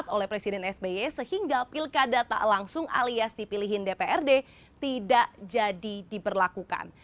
oleh presiden sby sehingga pilkada tak langsung alias dipilihin dprd tidak jadi diberlakukan